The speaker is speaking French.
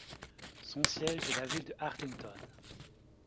Son siège est la ville de Hartington.